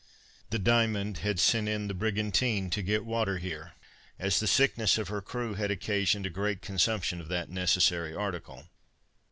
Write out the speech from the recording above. The Diamond had sent in the brigantine to get water here, as the sickness of her crew had occasioned a great consumption of that necessary article.